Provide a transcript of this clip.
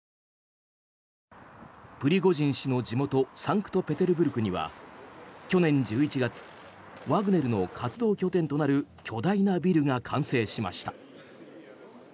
プリゴジン氏の地元サンクトペテルブルクには去年１１月ワグネルの活動拠点となる巨大なビルが完成しました。